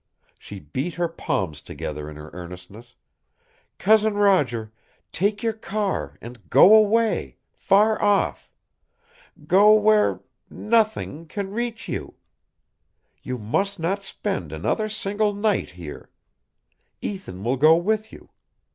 She beat her palms together in her earnestness. "Cousin Roger, take your car and go away far off! Go where nothing can reach you. You must not spend another single night here. Ethan will go with you.